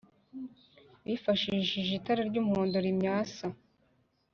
bifashisha itara ry’umuhondo rimyasa